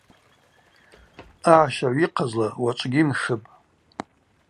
Агӏащагӏв йыхъазла уачӏвгьи мшыпӏ.